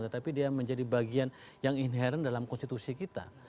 tetapi dia menjadi bagian yang inherent dalam konstitusi kita